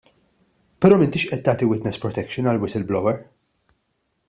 Però m'intix qed tagħti witness protection għall-whistleblower.